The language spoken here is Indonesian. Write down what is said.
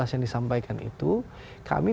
yang disampaikan itu kami